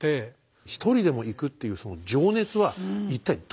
一人でも行くっていうその情熱は一体どっからくる？